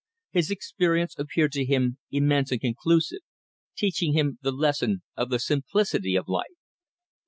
His experience appeared to him immense and conclusive, teaching him the lesson of the simplicity of life.